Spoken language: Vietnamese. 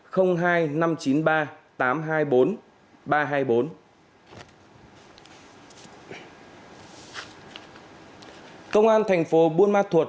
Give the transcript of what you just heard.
công an thành phố buôn ma thuột của tỉnh đắk lắc